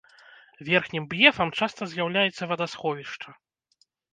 Верхнім б'ефам часта з'яўляецца вадасховішча.